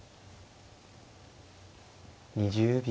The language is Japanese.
２０秒。